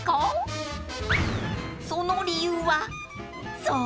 ［その理由はそう！